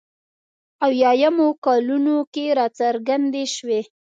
اویایمو کلونو کې راڅرګندې شوې.